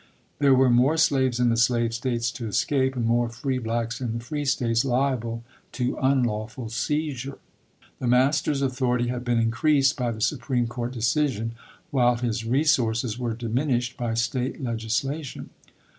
There were more slaves in the slave States to escape and more free blacks in the free States liable to unlawful seizure. The master's authority had been increased by the Supreme Court decision while his resources were diminished by State legislation.